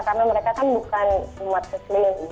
karena mereka bukan umat keselin